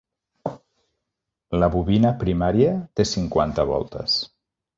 La bobina primària té cinquanta voltes.